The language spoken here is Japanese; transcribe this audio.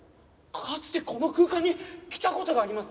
かつてこの空間に来た事があります！